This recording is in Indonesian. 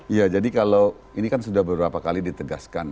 iya jadi kalau ini kan sudah beberapa kali ditegaskan